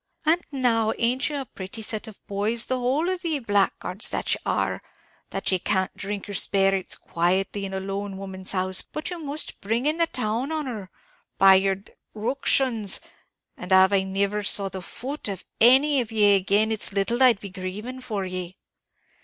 "And now, an't ye a pretty set of boys, the whole of ye, blackguards that ye are! that ye can't dhrink yer sperrits quietly, in a lone woman's house, but you must be bringing the town on her, by yer d d ructions; and av I niver saw the foot of any of ye agin, it's little I'd be grieving for ye."